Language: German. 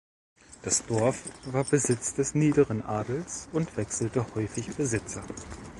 Das Dorf war Besitz des niederen Adels und wechselte häufig Besitzer.